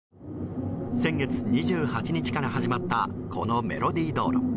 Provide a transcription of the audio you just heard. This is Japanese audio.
先月２８日から始まったこのメロディー道路。